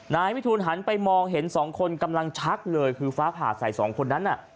นายวิทูลหันไปมองเห็นสองคนกำลังชักเลยคือฟ้าผ่าใส่สองคนนั้นน่ะ